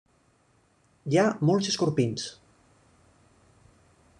Hi ha molts escorpins.